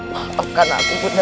maafkan aku bunda